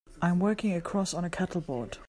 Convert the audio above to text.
I'm working across on a cattle boat.